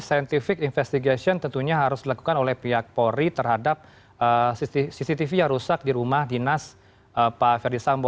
scientific investigation tentunya harus dilakukan oleh pihak polri terhadap cctv yang rusak di rumah dinas pak ferdisambo